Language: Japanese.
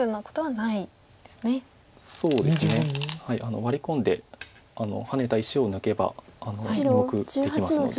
ワリ込んでハネた石を抜けばあの２目できますので。